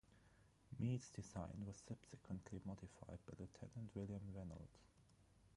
Meade's design was subsequently modified by Lieutenant William Raynolds.